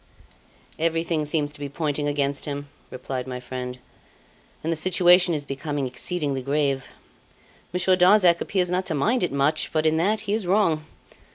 "Everything seems to be pointing against him," replied my friend, "and the situation is becoming exceedingly grave. Monsieur Darzac appears not to mind it much; but in that he is wrong.